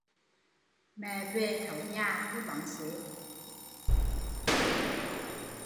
Mẹ về thấu nhà khi bóng xế